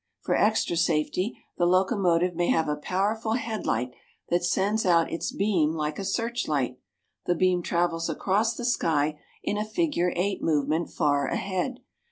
For extra safety, the locomotive may have a powerful headlight that sends out its beam like a searchlight. The beam travels across the sky in a figure eight movement far ahead.